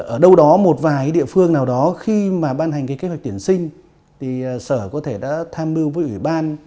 ở đâu đó một vài địa phương nào đó khi mà ban hành cái kế hoạch tuyển sinh thì sở có thể đã tham mưu với ủy ban